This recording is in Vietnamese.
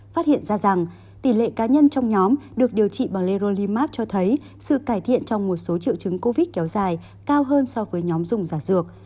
phát hiện ra rằng tỷ lệ cá nhân trong nhóm được điều trị bằng erolimap cho thấy sự cải thiện trong một số triệu chứng covid kéo dài cao hơn so với nhóm dùng giả dược